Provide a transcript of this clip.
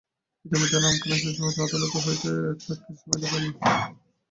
ইতিমধ্যে রামকানাই সহসা আদালত হইতে এক সাক্ষীর সপিনা পাইলেন।